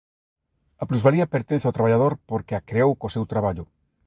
A plusvalía pertence ó traballador porque a "creou" co seu traballo.